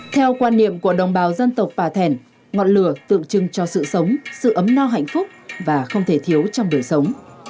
theo quan niệm của đồng bào dân tộc bà thẻn ngọn lửa tượng trưng cho sự sống sự ấm no hạnh phúc và không thể thiếu trong đời sống